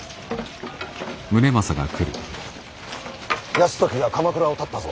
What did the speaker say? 泰時が鎌倉をたったぞ。